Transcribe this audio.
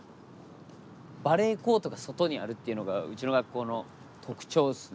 バレーコートが外にあるっていうのがうちの学校の特徴ですね。